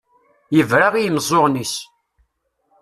Yebra i yimeẓẓuɣen-is.